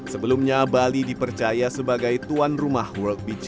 sebelumnya bali dipercaya sebagai tuan rumah world bg